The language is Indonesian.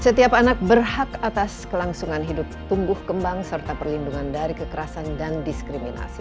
setiap anak berhak atas kelangsungan hidup tumbuh kembang serta perlindungan dari kekerasan dan diskriminasi